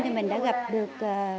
thì mình đã gặp được